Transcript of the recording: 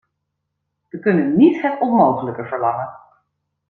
We kunnen niet het onmogelijke verlangen.